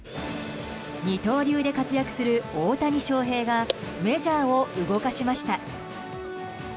二刀流で活躍する大谷翔平がメジャーを動かしました。